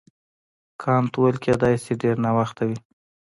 کانت وویل کیدای شي ډېر ناوخته وي.